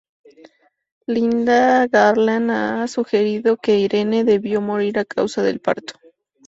Lynda Garland ha sugerido que Irene debió morir a causa del parto.